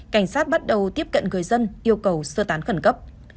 cảnh sát bắt đầu tiếp cận người dân yêu cầu sơ tán khẩn cấp